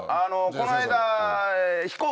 この間。